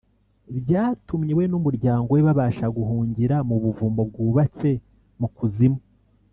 byatumye we n’umuryango we babasha guhungira mu buvumo bwubatse mu kuzimu